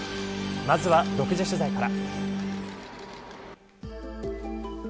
まずは独自取材から。